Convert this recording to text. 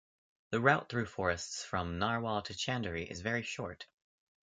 The route through forests from Narwar to Chanderi is very short.